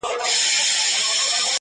٫کور ته د صنم ځو تصویرونو ته به څه وایو٫